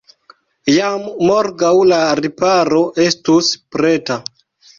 Jam morgaŭ la riparo estus preta.